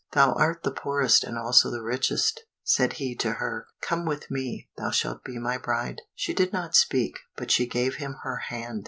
"Thou art the poorest and also the richest," said he to her. "Come with me, thou shalt be my bride." She did not speak, but she gave him her hand.